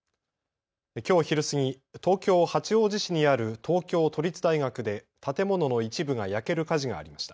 きょう昼過ぎ、東京八王子市にある東京都立大学で建物の一部が焼ける火事がありました。